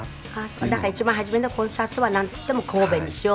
黒柳：だから一番初めのコンサートはなんといっても神戸にしよう。